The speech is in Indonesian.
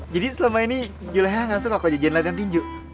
jadi selama ini ju leha gak suka kok jajan liatkan tinju